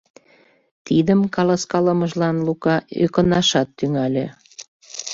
Тидым каласкалымыжлан Лука ӧкынашат тӱҥале.